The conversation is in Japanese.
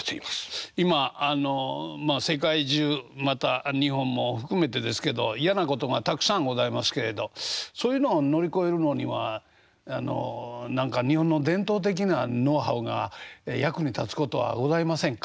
今あの世界中また日本も含めてですけど嫌なことがたくさんございますけれどそういうのを乗り越えるのにはあの何か日本の伝統的なノウハウが役に立つことはございませんか？